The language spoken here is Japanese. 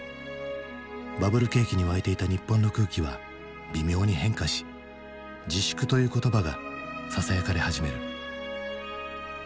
バブル景気に沸いていた日本の空気は微妙に変化し自粛という言葉がささやかれ始める。